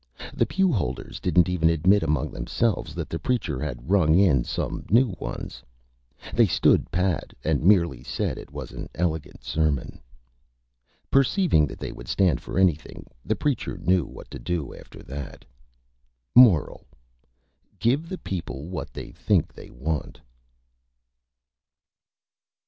The Pew Holders didn't even admit among themselves that the Preacher had rung in some New Ones. They stood Pat, and merely said it was an Elegant Sermon. Perceiving that they would stand for Anything, the Preacher knew what to do after that. MORAL: _Give the People what they Think they want.